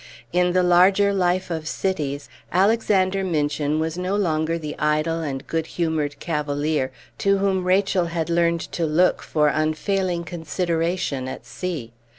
In the larger life of cities, Alexander Minchin was no longer the idle and good humored cavalier to whom Rachel had learned to look for unfailing consideration at sea.